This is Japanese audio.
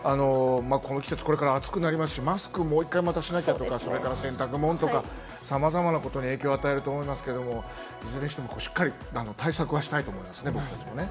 この季節、これから暑くなりますし、マスクをまたもう１回しなきゃとか、洗濯物とか、さまざまなことに影響を与えると思いますけれども、いずれにしても、しっかり対策はしたいと思いますね。